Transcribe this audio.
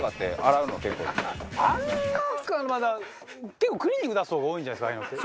結構クリーニング出す方が多いんじゃないですか今って。